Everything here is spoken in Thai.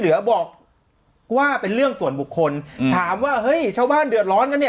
เหลือบอกว่าเป็นเรื่องส่วนบุคคลอืมถามว่าเฮ้ยชาวบ้านเดือดร้อนกันเนี่ย